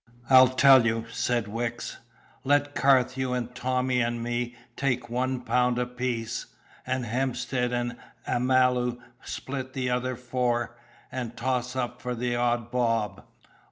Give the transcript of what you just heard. "I'll tell you," said Wicks. "Let Carthew and Tommy and me take one pound apiece, and Hemstead and Amalu split the other four, and toss up for the odd bob."